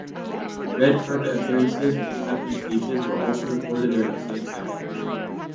Red carpet appearances and acceptance speeches were also recorded during the same sessions.